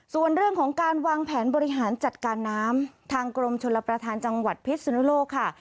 ส่วนเรื่องของการวางแผนบริหารจัดการน้ำทางกรมชลประธานจังหวัดพิษสุนุโลกค่ะ